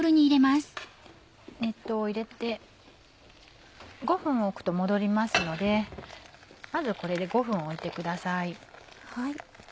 熱湯を入れて５分置くと戻りますのでまずこれで５分置いてください。